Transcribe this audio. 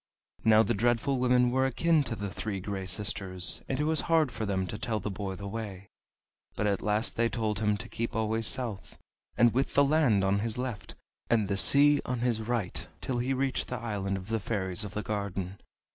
Now the Dreadful Women were akin to the Three Gray Sisters, and it was hard for them to tell the boy the way. But at last they told him to keep always south, and with the land on his left and the sea on his right, till he reached the Island of the Fairies of the Garden.